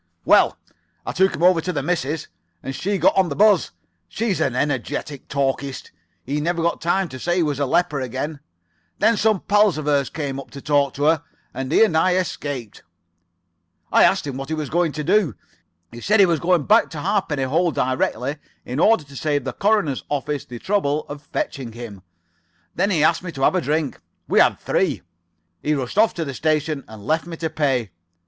"Well, I took him over to the missus, and she got on the buzz. She's an energetic talkist. He never got time to say he was a leper once. Then some pals of hers came up to talk to her, and he and I escaped. I asked him what he was going to do. He said he was going back to Halfpenny Hole directly, in order to save the coroner's officer the trouble of fetching him. [Pg 79]Then he asked me to have a drink. We had three each. He rushed off to the station, and left me to pay.